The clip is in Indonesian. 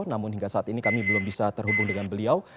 namun hingga saat ini kami belum bisa terhubung dengan beliau